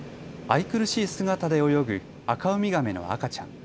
愛くるしい姿で泳ぐアカウミガメの赤ちゃん。